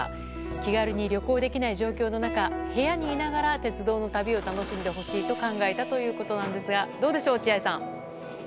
気軽に旅行できない状況の中部屋にいながら鉄道の旅を楽しんでほしいと考えたということですがどうでしょう、落合さん。